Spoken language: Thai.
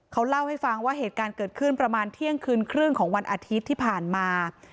เขาเล่าให้ฟังว่าเหตุการณ์เกิดขึ้นประมาณเที่ยงคืนครึ่งของวันอาทิตย์ที่ผ่านมา